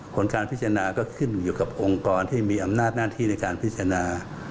ผลการพิจารณาก็ขึ้นอยู่กับองค์กรที่มีอำนาจหน้าที่ในการพิจารณา